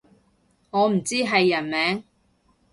我唔知係人名